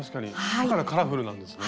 だからカラフルなんですね。